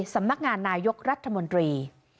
สำนักงานนายกรัฐมนตรี